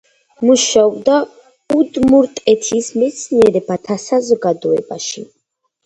მუშაობდა უდმურტეთის მეცნიერებათა საზოგადოებაში.